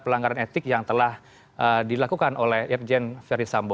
pelanggaran etik yang telah dilakukan oleh irjen ferdisambo